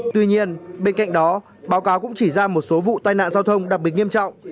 tuy nhiên bên cạnh đó báo cáo cũng chỉ ra một số vụ tai nạn giao thông đặc biệt nghiêm trọng